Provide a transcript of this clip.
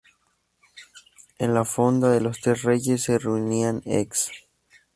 En la "Fonda de los Tres Reyes" se reunían ex.